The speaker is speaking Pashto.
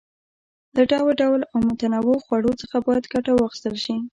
له ډول ډول او متنوعو خوړو څخه باید ګټه واخیستل شي.